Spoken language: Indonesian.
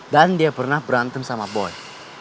dan dia pernah berantem sama boy